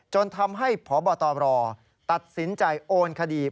จนทำให้พบตรตัดสินใจโอนคดี